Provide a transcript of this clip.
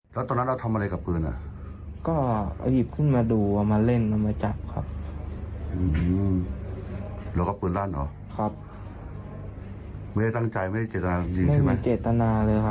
แล้วปืนเป็นปืนของใคร